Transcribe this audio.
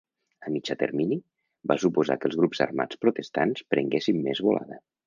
A mitjà termini, va suposar que els grups armats protestants prenguessin més volada.